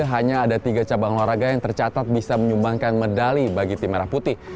hanya ada tiga cabang olahraga yang tercatat bisa menyumbangkan medali bagi tim merah putih